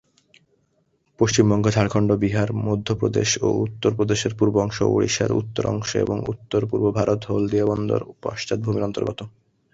পশ্চিমবঙ্গ, ঝাড়খন্ড, বিহার, মধ্যপ্রদেশ ও উত্তরপ্রদেশের পূর্ব অংশ, ওড়িশার উত্তর অংশ এবং উত্তর-পূর্ব ভারত হলদিয়া বন্দর পশ্চাৎ ভূমির অন্তর্গত।